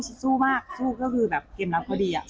แต่เขาสู้มากสู้ก็คือแบบเก็มรับพอดีอ่ะ